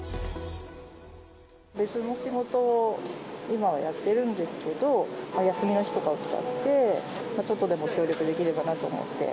別の仕事を今はやってるんですけど、休みの日とかを使って、ちょっとでも協力できればなと思って。